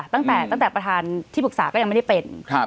ตั้งแต่ประธานที่ปรึกษาก็ยังไม่ได้เป็น